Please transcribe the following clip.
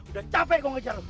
udah capek kau ngejar